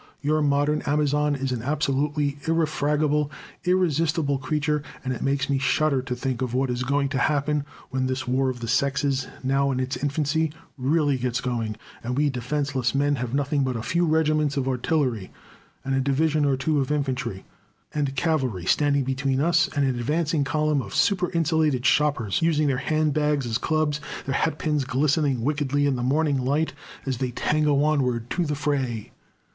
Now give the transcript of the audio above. Your modern Amazon is an absolutely irrefragable, irresistible creature, and it makes me shudder to think of what is going to happen when this war of the sexes, now in its infancy, really gets going, and we defenseless men have nothing but a few regiments of artillery, and a division or two of infantry and cavalry standing between us and an advancing column of super insulated shoppers, using their handbags as clubs, their hatpins glistening wickedly in the morning light, as they tango onward to the fray.